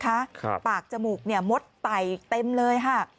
ครับปากจมูกเนี่ยมดไต่เต็มเลยค่ะ